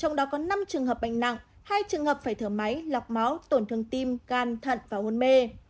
trong đó có năm trường hợp bệnh nặng hai trường hợp phải thở máy lọc máu tổn thương tim gan thận và hôn mê